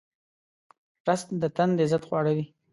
رس د تندې ضد خواړه دي